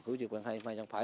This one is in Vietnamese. cứu trị quản hành mà chẳng phải